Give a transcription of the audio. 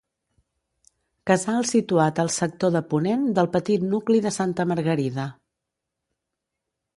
Casal situat al sector de ponent del petit nucli de Santa Margarida.